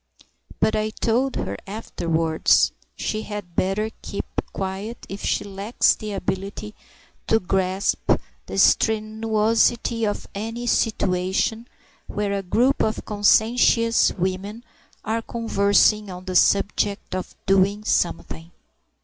But I told her afterwards, she had better keep quiet if she lacks the ability to grasp the strenuosity of any situation where a group of conscientious women are conversing on the subject of "doing something."